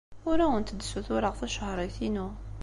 Ur awent-d-ssutureɣ tacehṛit-inu.